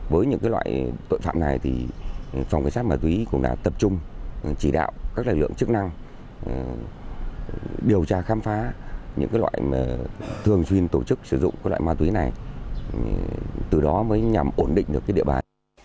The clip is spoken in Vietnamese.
với những loại tội phạm này phòng cảnh sát ma túy cũng đã tập trung chỉ đạo các lực lượng chức năng điều tra khám phá những loại mà thường xuyên tổ chức sử dụng loại ma túy này từ đó mới nhằm ổn định được địa bàn